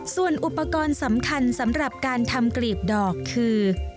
ส่วนอุปกรณ์สำคัญสำหรับการทำกรีบดอกคือ